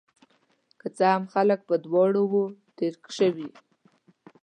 که څه هم، خلک په دواړو وو تیر شوي